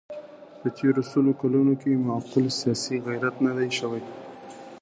په تېرو سلو کلونو کې معقول سیاسي غیرت نه دی شوی.